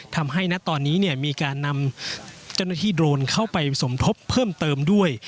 ณตอนนี้เนี่ยมีการนำเจ้าหน้าที่โดรนเข้าไปสมทบเพิ่มเติมด้วย